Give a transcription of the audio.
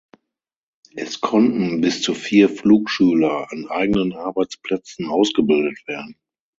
Es konnten bis zu vier Flugschüler an eigenen Arbeitsplätzen ausgebildet werden.